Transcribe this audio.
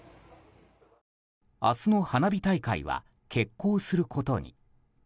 明日の花火大会は決行することに。